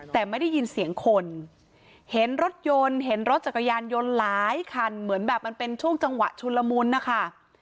แต่ไม่ได้ยินเสียงคนเห็นรถยนต์เห็นรถจักรยานยนต์หลายคันเหมือนแบบมันเป็นช่วงจังหวะชุนละมุนนะคะ